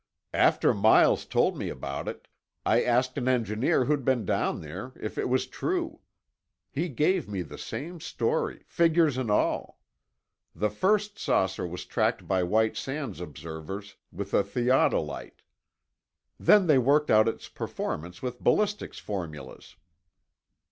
"After Miles told me about it, I asked an engineer who'd been down there if it was true. He gave me the same story, figures and all. The first saucer was tracked by White Sands observers with a theodolite. Then they worked out its performance with ballistics formulas."